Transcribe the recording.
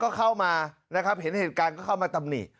ก็เข้ามานะครับเห็นเหตุการณ์ก็เข้ามาตำหนิ